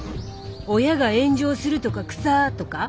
「親が炎上するとか草」とか？